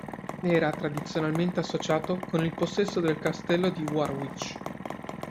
Era tradizionalmente associato con il possesso del Castello di Warwick.